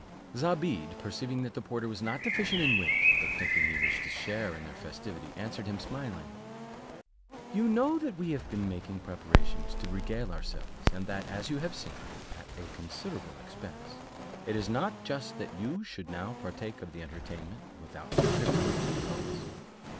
Zobeide perceiving that the porter was not deficient in wit, but thinking he wished to share in their festivity, answered him, smiling, "You know that we have been making preparations to regale ourselves, and that, as you have seen, at a considerable expense; it is not just that you should now partake of the entertainment without contributing to the cost."